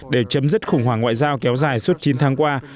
để chấm dứt khủng hoảng ngoại giao kéo dài suốt chín tháng qua